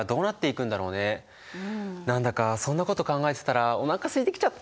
何だかそんなこと考えてたらおなかすいてきちゃった。